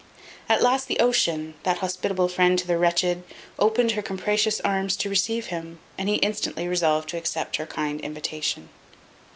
At last the Ocean, that hospitable friend to the wretched, opened her capacious arms to receive him; and he instantly resolved to accept her kind invitation.